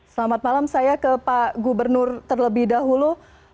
selamat malam saya ke pak gubernur terlebih dahulu